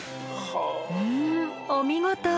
うんお見事。